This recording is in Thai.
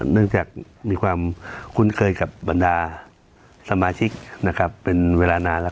เนื่องจากมีความคุ้นเคยกับบรรดาสมาชิกนะครับเป็นเวลานานแล้ว